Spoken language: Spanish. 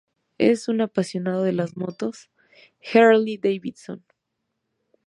Es un apasionado de las motos Harley-Davidson.